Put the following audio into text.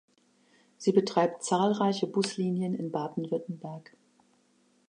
Sie betreibt zahlreiche Buslinien in Baden-Württemberg.